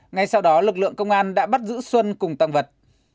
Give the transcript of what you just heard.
ngay sau đó lực lượng công an đã bắt giữ xuân cùng tăng vật